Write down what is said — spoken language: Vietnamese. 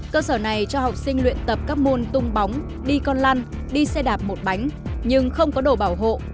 cơ sở này cho học sinh luyện tập các môn tung bóng đi con lăn đi xe đạp một bánh nhưng không có đồ bảo hộ